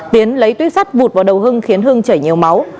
tiến lấy tuyếp sắt vụt vào đầu hưng khiến hưng chảy nhiều máu